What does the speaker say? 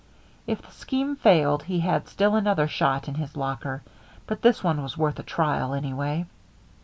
If the scheme failed, he had still another shot in his locker, but this one was worth a trial, anyway.